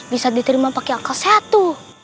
bisa diterima pake akal sehat tuh